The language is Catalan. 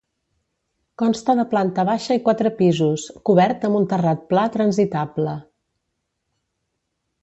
Consta de planta baixa i quatre pisos, cobert amb un terrat pla transitable.